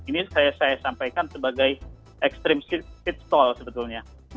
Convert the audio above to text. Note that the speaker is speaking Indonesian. ini saya sampaikan sebagai extreme speed stall sebetulnya